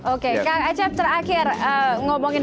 oke kak ajab terakhir ngomongin soal semetika pembangunan